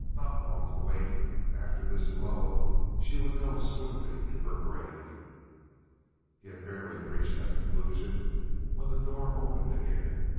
Not long to wait; after this blow she would go swiftly to her grave. He had barely reached that conclusion when the door opened again.